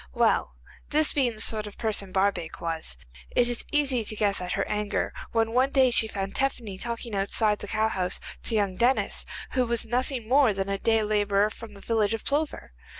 Well, this being the sort of person Barbaik was, it is easy to guess at her anger when one day she found Tephany talking outside the cowhouse to young Denis, who was nothing more than a day labourer from the village of Plover.